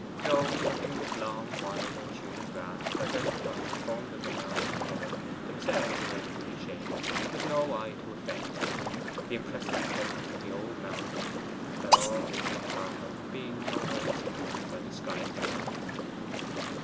No; nothing but long, wild, untutored grass, diversifying the forms of the mounds it covered, themselves irregularly shaped, with no eye to effect; the impressive presence of the old mountain that all this was a part of being nowhere excluded by disguising art.